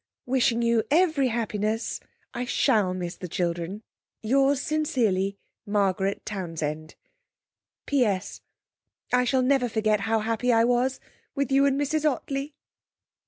'... Wishing you every happiness (I shall miss the children!). Yours sincerely, Margaret Townsend 'P.S. I shall never forget how happy I was with you and Mrs Ottley.'